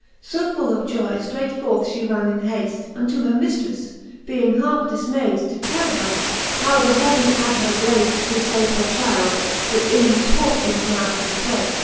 So, full of joy, flreight forth fhe ran in hafl Unto her miflrefTe, being halfe difmayd, To tell her, how the heavens had her grafte, To fave her chylde, which in misfortunes mouth was plafle.